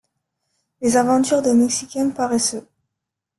Les aventures d'un Mexicain paresseux.